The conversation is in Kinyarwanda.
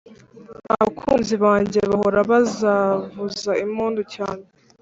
Abakunzi banjye baho bazavuza impundu cyane